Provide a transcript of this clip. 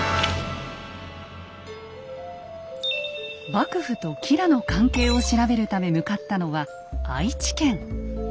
幕府と吉良の関係を調べるため向かったのは愛知県。